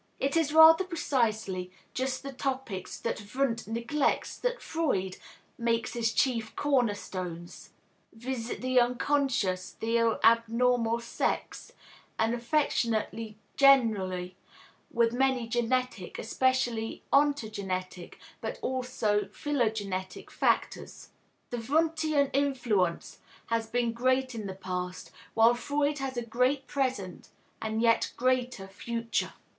It is rather precisely just the topics that Wundt neglects that Freud makes his chief corner stones, viz., the unconscious, the abnormal, sex, and affectivity generally, with many genetic, especially ontogenetic, but also phylogenetic factors. The Wundtian influence has been great in the past, while Freud has a great present and a yet greater future.